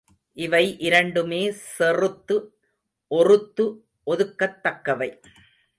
இவை இரண்டுமே செறுத்து ஒறுத்து ஒதுக்கத்தக்கவை.